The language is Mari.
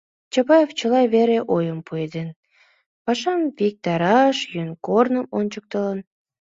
Чапаев чыла вере ойым пуэден, пашам виктараш йӧн корным ончыктылын.